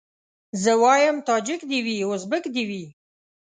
زه وايم تاجک دي وي ازبک دي وي